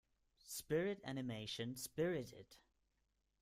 Spirit animation Spirited.